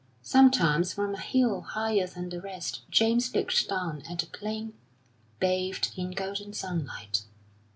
Sometimes from a hill higher than the rest James looked down at the plain, bathed in golden sunlight.